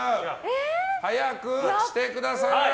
早くしてください。